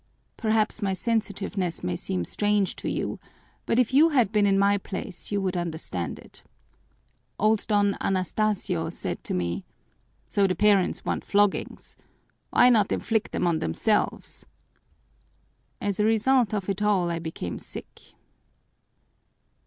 Perhaps my sensitiveness may seem strange to you, but if you had been in my place you would understand it. Old Don Anastasio said to me, 'So the parents want floggings? Why not inflict them on themselves?' As a result of it all I became sick."